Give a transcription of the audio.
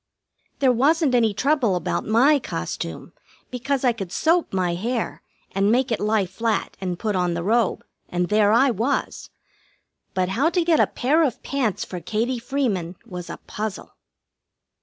There wasn't any trouble about my costume, because I could soap my hair and make it lie flat, and put on the robe, and there I was. But how to get a pair of pants for Katie Freeman was a puzzle.